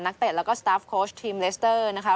เตะแล้วก็สตาฟโค้ชทีมเลสเตอร์นะคะ